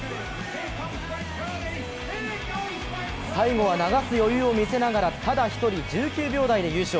最後は流す余裕を見せながら、ただ１人、１９秒台で優勝。